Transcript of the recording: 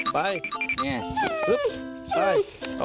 ไปเร็วไป